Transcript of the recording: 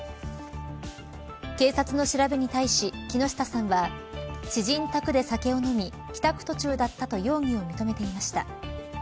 警察の調べに対し、木下さんは知人宅で酒を飲み帰宅途中だったと容疑を認めていました。